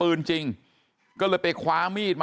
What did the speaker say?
ไปรับศพของเนมมาตั้งบำเพ็ญกุศลที่วัดสิงคูยางอเภอโคกสำโรงนะครับ